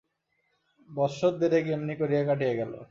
বৎসর দেড়েক এমনি করিয়া কাটিয়া গেল।